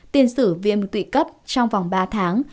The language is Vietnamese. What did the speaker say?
tiên sử viêm tụy cấp trong vòng ba tháng